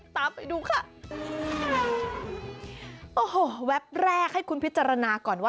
ตามไปดูค่ะ